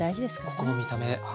ここの見た目あ